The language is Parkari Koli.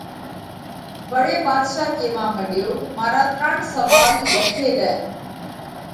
وۯي ڀاڌشا ڪيوا مڏيو: مارا ترڻ سوئال لکي لئہ۔